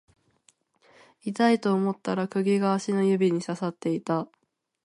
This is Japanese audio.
痛いと思ったら釘が足の指に刺さっていた